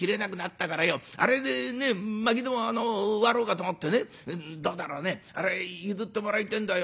あれでねえまきでも割ろうかと思ってねどうだろうねあれ譲ってもらいてえんだよ。